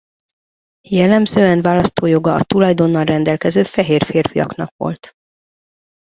Jellemzően választójoga a tulajdonnal rendelkező fehér férfiaknak volt.